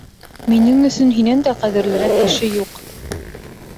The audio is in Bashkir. Минең өсөн һинән дә ҡәҙерлерәк кеше юҡ.